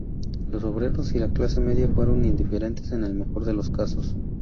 Los obreros y la clase media fueron indiferentes en el mejor de los casos.